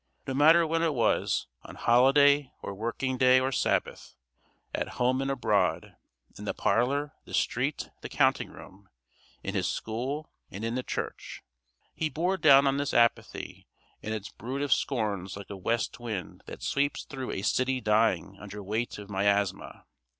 No matter when it was, on holiday or working day or Sabbath; at home and abroad; in the parlor, the street, the counting room; in his school and in the Church; he bore down on this apathy and its brood of scorns like a west wind that sweeps through a city dying under weight of miasma.